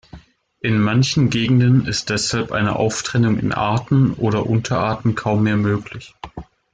In manchen Gegenden ist deshalb eine Auftrennung in Arten oder Unterarten kaum mehr möglich.